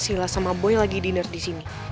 sila sama boy lagi dinner disini